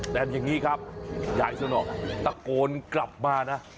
แต่อย่างนี้ครับยายสนอกตะโกนกลับมานะ